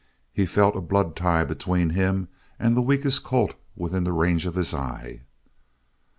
He felt a blood tie between him and the weakest colt within the range of his eye.